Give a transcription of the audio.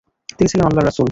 তিনি ছিলেন আল্লাহর রাসূল।